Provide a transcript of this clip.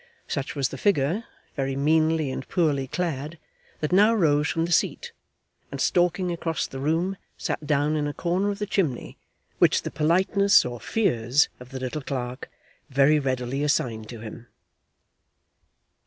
Such was the figure (very meanly and poorly clad) that now rose from the seat, and stalking across the room sat down in a corner of the chimney, which the politeness or fears of the little clerk very readily assigned to him.